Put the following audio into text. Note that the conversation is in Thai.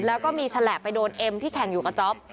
แล้วก็มีฉลาบไปโดนเอ็มที่แข่งอยู่กับจ๊อป